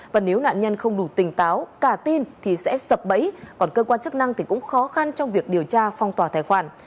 và nếu nạn nhân không đủ tỉnh táo cả tin thì sẽ sập bẫy còn cơ quan chức năng thì cũng khó khăn trong việc điều tra phong tỏa tài khoản